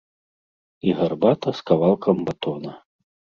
І гарбата з кавалкам батона.